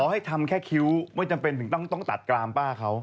ให้ทำแค่คิ้วไม่จำเป็นถึงต้องตัดกรามป้าเขา